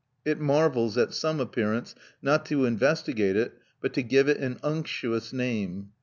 It marvels at some appearance, not to investigate it, but to give it an unctuous name.